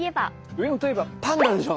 上野といえばパンダでしょ！